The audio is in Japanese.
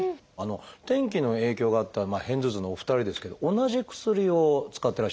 天気の影響があった片頭痛のお二人ですけど同じ薬を使ってらっしゃいましたね。